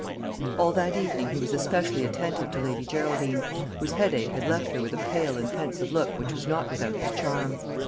All that evening he was especially attentive to Lady Geraldine, whose headache had left her with a pale and pensive look which was not without its charm.